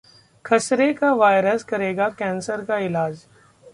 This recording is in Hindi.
खसरे का वायरस करेगा कैंसर का इलाज?